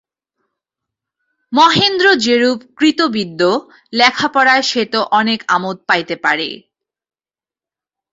মহেন্দ্র যেরূপ কৃতবিদ্য, লেখাপড়ায় সে তো অনেক আমোদ পাইতে পারে।